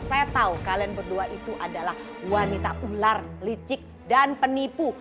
saya tahu kalian berdua itu adalah wanita ular licik dan penipu